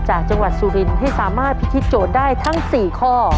จากจังหวัดสุรินให้สามารถพิธีโจทย์ได้ทั้ง๔ข้อ